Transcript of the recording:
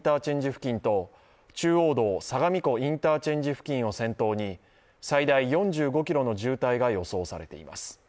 付近と中央道・相模湖インターチェンジ付近を先頭に最大４５ｋｍの渋滞が予想されています。